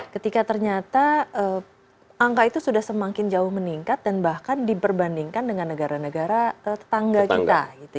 ketika ternyata angka itu sudah semakin jauh meningkat dan bahkan diperbandingkan dengan negara negara tetangga kita